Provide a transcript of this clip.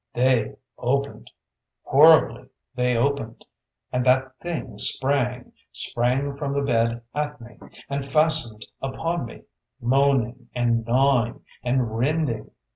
"They opened! horribly they opened! and that thing sprang, sprang from the bed at me, and fastened upon me, moaning, and gnawing, and rending!